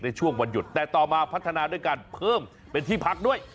ในช่วงวันหยุดแต่ต่อมาพัฒนาด้วยการเพิ่มเป็นที่พักด้วย